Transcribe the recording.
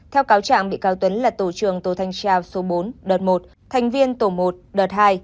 theo cáo trạng bị cáo tuấn là tổ trưởng tổ thanh tra số bốn đợt một thành viên tổ một đợt hai